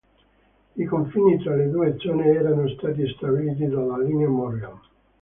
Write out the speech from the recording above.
I confini tra le due zone erano stati stabiliti dalla Linea Morgan.